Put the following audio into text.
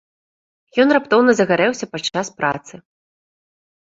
Ён раптоўна загарэўся падчас працы.